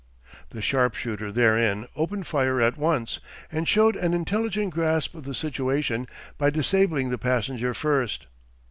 The sharpshooter therein opened fire at once, and showed an intelligent grasp of the situation by disabling the passenger first.